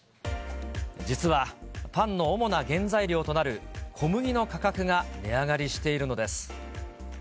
実は、パンの主な原材料となる小麦の価格が値上がりしているのです。